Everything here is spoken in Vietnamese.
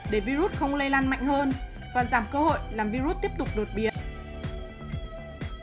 để virus không lây lan mạnh hơn và giảm cơ hội làm virus tiếp tục đột biến